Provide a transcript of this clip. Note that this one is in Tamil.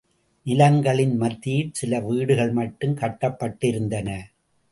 நிலங்களின் மத்தியில் சில வீடுகள் மட்டும் கட்டப்பட்டிருந்தன.